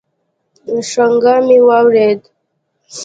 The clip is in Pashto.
شرنگا مې واورېد.